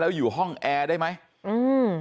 แล้วอยู่ห้องแอร์ได้ไหมอืม